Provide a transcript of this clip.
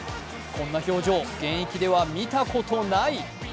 こんな表情、現役では見たことない。